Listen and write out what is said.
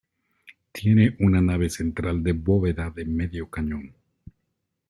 Tiene una nave central de bóveda de medio cañón.